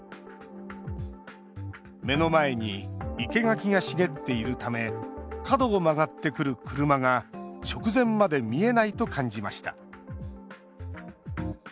目の前に生け垣が茂っているため角を曲がってくる車が直前まで見えないと感じました。